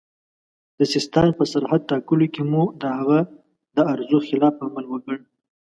د سیستان په سرحد ټاکلو کې مو د هغه د ارزو خلاف عمل وکړ.